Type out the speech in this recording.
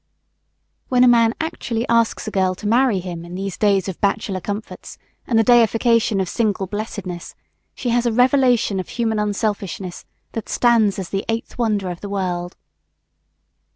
When a man actually asks a girl to marry him in these days of bachelor comforts and the deification of single blessedness, she has a revelation of human unselfishness that stands as the eighth wonder of the world.